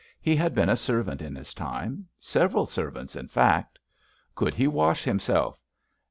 He had been a servant in his time. Several servants, in fact. '' Could he wash himself?